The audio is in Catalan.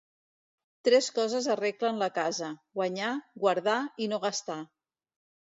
Tres coses arreglen la casa: guanyar, guardar i no gastar.